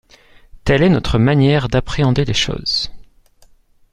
Telle est notre manière d’appréhender les choses.